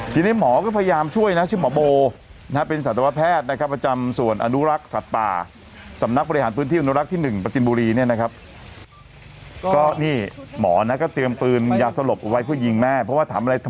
ทีนี้หมอก็พยายามช่วยนะชื่อหมอโบนะฮะเป็นสัตวแพทย์นะครับประจำส่วนอนุรักษณ์สัตว์ป่า